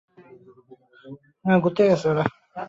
কখনো হাসি, কখনো চোখের কোণে পানি চিকচিক, কখনো সম্ভাবনার আলোর ঝিলিক।